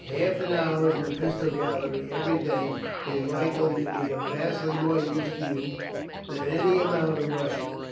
Half an hour in a pistol gallery every day is likely to be of vastly more use to you than any amount of Russian.